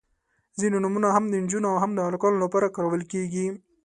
• ځینې نومونه هم د نجونو او هم د هلکانو لپاره کارول کیږي.